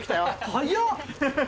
早っ！